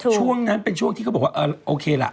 ช่วงนั้นเป็นช่วงที่เขาบอกว่าโอเคล่ะ